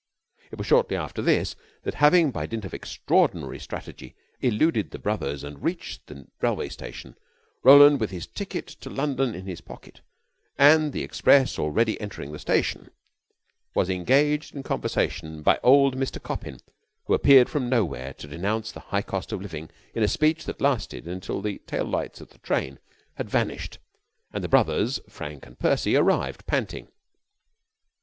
It was shortly after this that, having by dint of extraordinary strategy eluded the brothers and reached the railway station, Roland, with his ticket to London in his pocket and the express already entering the station, was engaged in conversation by old Mr. Coppin, who appeared from nowhere to denounce the high cost of living in a speech that lasted until the tail lights of the train had vanished and Brothers Frank and Percy arrived, panting.